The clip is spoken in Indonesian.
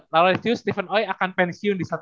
laurentius steven oi akan pensiun di saat